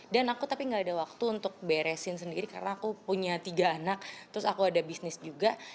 dan aku tapi gak ada waktu untuk beresin sendiri karena aku punya tiga anak terus aku ada bisnis juga